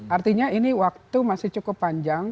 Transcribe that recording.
artinya ini waktu masih cukup panjang